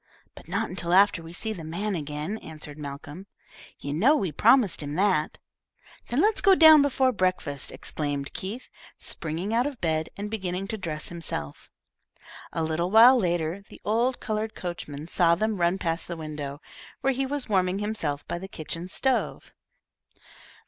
"But not until after we have seen the man again," answered Malcolm. "You know we promised him that." "Then let's go down before breakfast," exclaimed Keith, springing out of bed and beginning to dress himself. A little while later, the old coloured coachman saw them run past the window, where he was warming himself by the kitchen stove.